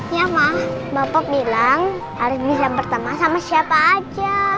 ya mah bapak bilang harus bisa berteman sama siapa aja